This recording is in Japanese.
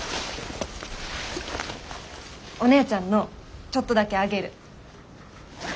おねえちゃんのちょっとだけあげる。